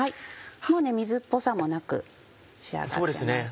もう水っぽさもなく仕上がってます。